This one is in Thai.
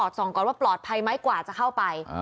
และตรวจสองก่อนเพื่อให้ปลอดภัยไม่กว่าก็จะเข้าไป